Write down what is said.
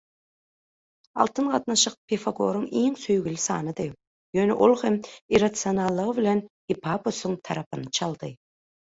Altyn gatnaşyk Pifagoryň iň söýgüli sanydy, ýöne ol hem irrasionallygy bilen Hippasusyň tarabyny çaldy.